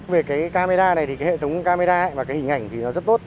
về cái camera này thì cái hệ thống camera và cái hình ảnh thì nó rất tốt